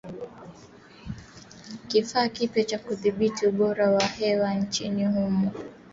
Kifaa kipya cha kudhibiti ubora wa hewa nchini humo kimefadhiliwa kwa kiasi na kampuni ya Google.